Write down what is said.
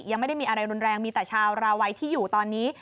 ยังไม่ได้มีอะไรรุนแรงมีแต่ชาวราวัยที่อยู่ตอนนี้